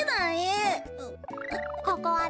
ここはね